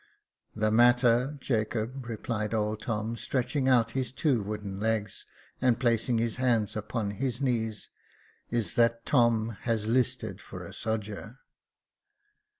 " The matter, Jacob," replied old Tom, stretching out his two wooden legs, and placing his hands upon his knees, *' is, that Tom has 'listed for a sodger."